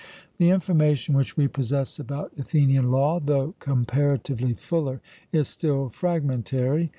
The information which we possess about Athenian law, though comparatively fuller, is still fragmentary.